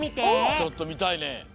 ちょっとみたいね。